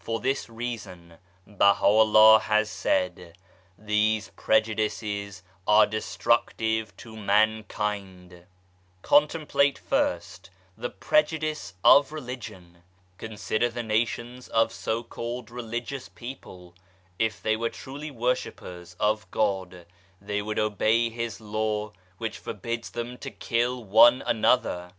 For this reason BahaVllah has said, " These Prejudices are destructive to mankind/ 1 Contemplate first the Prejudice of Religion : consider the nations of so called Religious people ; if they were truly worshippers of God they would obey His Law which forbids them to kill one another.